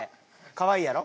かわいいやろ？